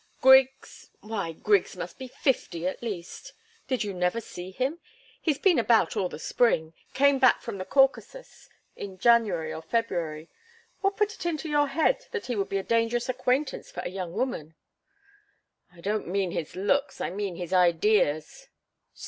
Griggs why, Griggs must be fifty, at least. Did you never see him? He's been about all the spring came back from the Caucasus in January or February. What put it into your head that he would be a dangerous acquaintance for a young woman?" "I don't mean his looks I mean his ideas."